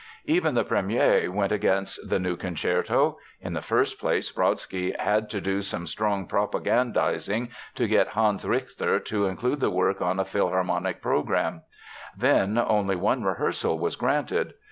Even the première went against the new concerto. In the first place Brodsky had to do some strong propagandizing to get Hans Richter to include the work on a Philharmonic program. Then, only one rehearsal was granted.